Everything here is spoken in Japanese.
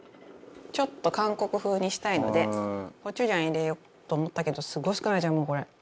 ちょっと韓国風にしたいのでコチュジャン入れようと思ったけどすごい少ないじゃんもうこれ。